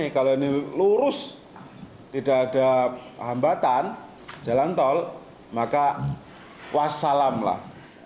kalau ini lurus tidak ada hambatan jalan tol maka wassalamlah